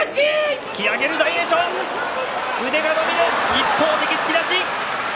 一方的、突き出し。